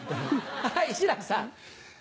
はい志らくさん。